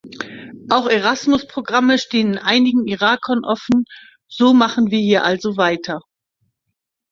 Auch Erasmus-Programme stehen einigen Irakern offen, so machen wir hier also weiter.